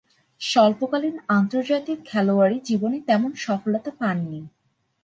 স্বল্পকালীন আন্তর্জাতিক খেলোয়াড়ী জীবনে তেমন সফলতা পাননি।